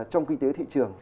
trong kinh tế thị trường